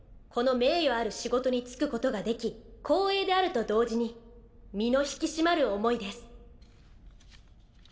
この名誉ある仕事につくことができ光栄であると同時に身の引き締まる思いです。